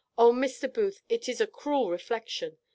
O, Mr. Booth, it is a cruel reflection!